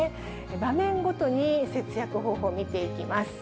場面ごとに節約方法、見ていきます。